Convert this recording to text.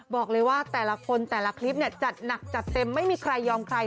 บอกเลยว่าแต่ละคนแต่ละคลิปเนี่ยจัดหนักจัดเต็มไม่มีใครยอมใคร